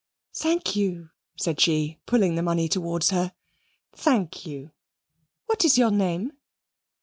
"Thank you," said she, pulling the money towards her, "thank you. What is your name?"